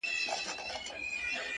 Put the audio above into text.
زړه مي له رباب سره ياري کوي _